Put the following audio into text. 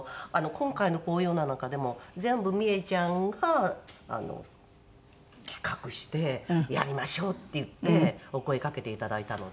今回のこういうような中でも全部ミエちゃんが企画して「やりましょう」って言ってお声かけて頂いたので。